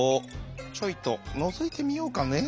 「ちょいとのぞいてみようかね？」。